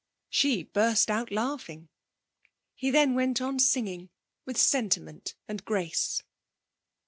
She burst out laughing. He then went on singing with sentiment and grace.